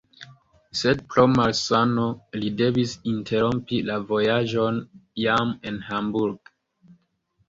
Sed pro malsano li devis interrompi la vojaĝon jam en Hamburg.